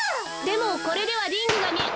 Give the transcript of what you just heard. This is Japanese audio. でもこれではリングがみえ。